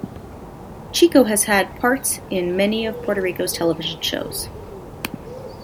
Chico has had parts in many of Puerto Rico's television shows.